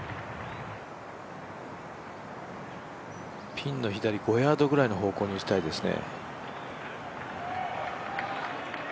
ピンの左５ヤードぐらいの方向に打ちたいですね。